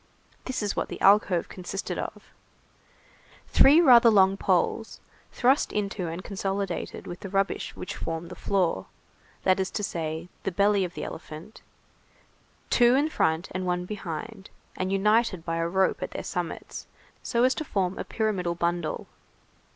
This is what the alcove consisted of:— Three rather long poles, thrust into and consolidated, with the rubbish which formed the floor, that is to say, the belly of the elephant, two in front and one behind, and united by a rope at their summits, so as to form a pyramidal bundle.